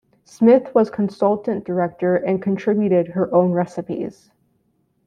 Smith was Consultant director and contributed her own recipes.